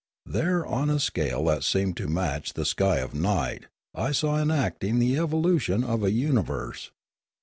There on a scale that seemed to match the sky of night I saw enacting the evolution of a universe.